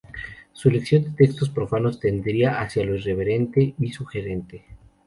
Su elección de textos profanos tendía hacia lo irreverente y sugerente.